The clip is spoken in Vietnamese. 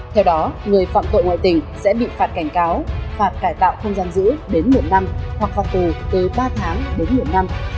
theo đó người phạm tội ngoại tình sẽ bị phạt cảnh cáo phạt cải tạo không giam giữ đến một năm hoặc phạt tù từ ba tháng đến một năm